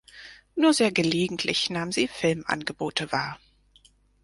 Nur sehr gelegentlich nahm sie Filmangebote wahr.